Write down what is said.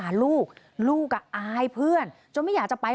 ยอมเลยนะยอมให้อภัย